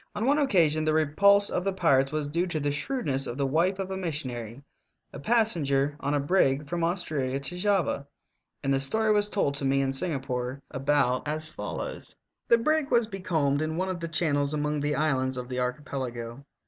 On one occasion the repulse of the pirates was due to the shrewdness of the wife of a missionary, a passenger on a brig from Australia to Java, and the story was told to me in Singapore about as follows : The brig was becalmed in one of the channels among the islands of the archipelago.